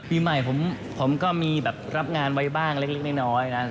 ปีใหม่ผมก็มีแบบรับงานไว้บ้างเล็กน้อยนะ